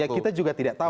ya kita juga tidak tahu ya